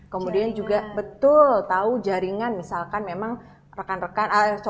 kemudian juga betul tahu jaringan misalkan memang rekan rekan